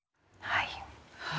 はい。